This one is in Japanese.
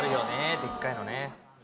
でっかいのね。